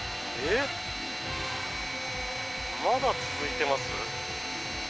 まだ続いてます？